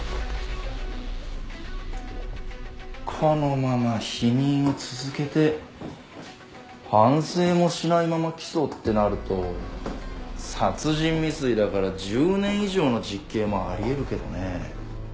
このまま否認を続けて反省もしないまま起訴ってなると殺人未遂だから１０年以上の実刑もあり得るけどねえ。